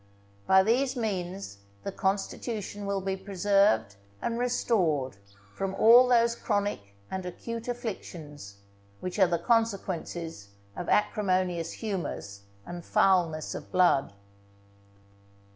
By these means the constitution will be preserved and restored from all those chronic and acute afflictions, which are the consequences of acrimonious humours and foulness of blood.